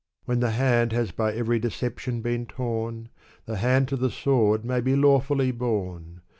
When the hand has by every deception been torn, The hand to the sword may be lawfully borne.